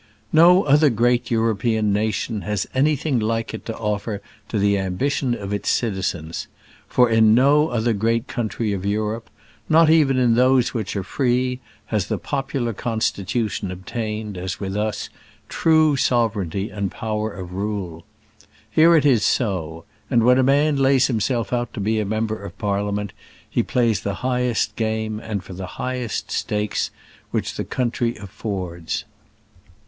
No other great European nation has anything like it to offer to the ambition of its citizens; for in no other great country of Europe, not even in those which are free, has the popular constitution obtained, as with us, true sovereignty and power of rule. Here it is so; and when a man lays himself out to be a member of Parliament, he plays the highest game and for the highest stakes which the country affords.